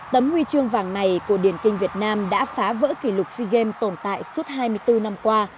tấm huy chương vàng này của điển kinh việt nam đã phá vỡ kỷ lục sea games tồn tại suốt hai mươi bốn năm qua